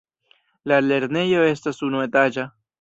La lernejo estas unuetaĝa.